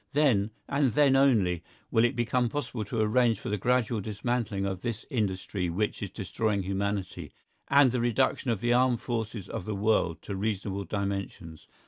Then, and then only, will it become possible to arrange for the gradual dismantling of this industry which is destroying humanity, and the reduction of the armed forces of the world to reasonable dimensions.